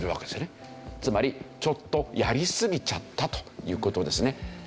つまりちょっとやりすぎちゃったという事ですね。